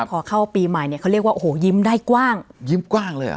พอเข้าปีใหม่เนี่ยเขาเรียกว่าโอ้โหยิ้มได้กว้างยิ้มกว้างเลยอ่ะ